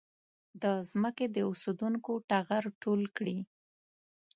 د ځمکې د اوسېدونکو ټغر ټول کړي.